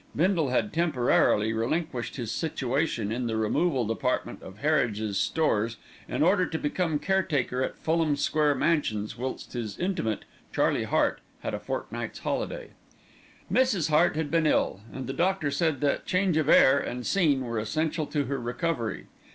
Bindle had temporarily relinquished his situation in the Removal Department of Harridge's Stores in order to become caretaker at Fulham Square Mansions whilst his intimate, Charlie Hart, had a fortnight's holiday. Mrs. Hart had been ill, and the doctor said that change of air and scene were essential to her recovery.